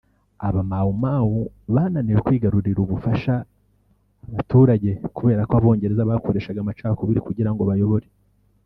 Aba-Mau Mau bananiwe kwigarurira ubufasha mu baturage kubera ko Abongereza bakoreshaga amacakubiri kugira ngo bayobore